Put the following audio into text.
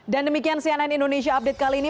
dan demikian cnn indonesia update kali ini